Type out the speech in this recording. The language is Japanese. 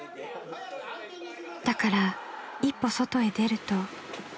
［だから一歩外へ出ると］